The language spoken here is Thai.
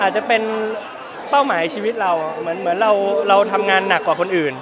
อาจจะเป็นเป้าหมายชีวิตเราเหมือนเราทำงานหนักกว่าคนอื่น